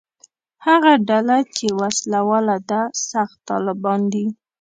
هغه ډله چې وسله واله ده «سخت طالبان» دي.